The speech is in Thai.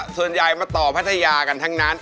ส่วนใหญ่มาต่อพัทยากันทั้งนั้น